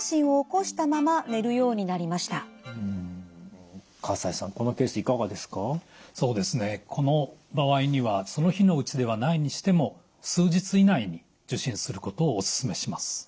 そうですねこの場合にはその日のうちではないにしても数日以内に受診することをおすすめします。